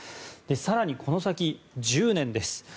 更にこの先１０年です。